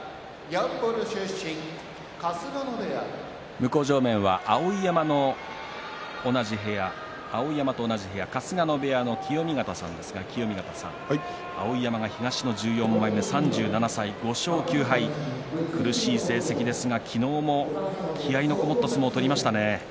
向正面は碧山と同じ部屋春日野部屋の清見潟さんですが清見潟さん、碧山が東の１４枚目、５勝９敗苦しい成績ですが昨日も気合いのこもった相撲を取りましたね。